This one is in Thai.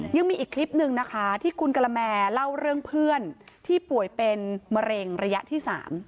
ยังมีอีกคลิปหนึ่งนะคะที่คุณกะละแมเล่าเรื่องเพื่อนที่ป่วยเป็นมะเร็งระยะที่๓